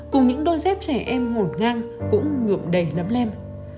cùng những đôi dép trẻ em ngột ngang cũng ngượm đầy lấm lem